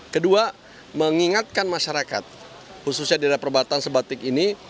kedua mengingatkan masyarakat khususnya di daerah perbatasan sebatik ini